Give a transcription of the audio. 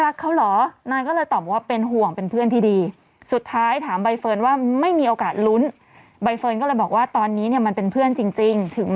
อืมเป็นเพื่อนแล้วแหละอันนี้อืม